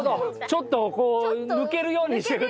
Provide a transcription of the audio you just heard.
ちょっとこう抜けるようにしてるって事？